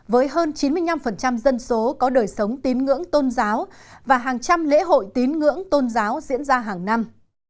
với hơn chín mươi năm dân số có đời sống tín ngưỡng tôn giáo và hàng trăm lễ hội tín ngưỡng tôn giáo diễn ra hàng năm